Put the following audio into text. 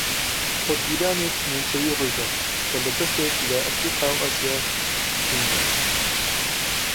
خۆرگیرانێکی نیمچەیی ڕوویدا کە لە بەشێک لە ئەفریقا و ئاسیا بیندرا